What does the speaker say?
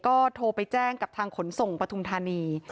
ก็โทรไปแจ้งกับทางขนส่งปฐุมธานี